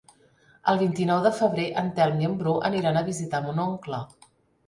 El vint-i-nou de febrer en Telm i en Bru aniran a visitar mon oncle.